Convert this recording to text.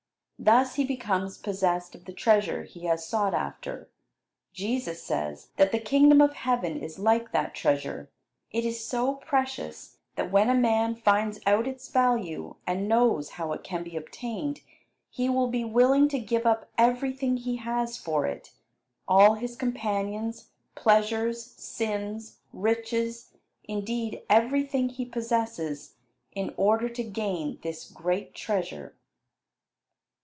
Thus he becomes possessed of the treasure he has sought after. Jesus says that the Kingdom of Heaven is like that treasure. It is so precious, that when a man finds out its value, and knows how it can be obtained, he will be willing to give up everything he has for it all his companions, pleasures, sins, riches indeed everything he possesses, in order to gain this great treasure.